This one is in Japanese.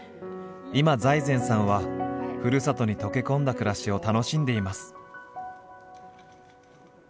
今財前さんはふるさとに溶け込んだ暮らしを楽しんでいます。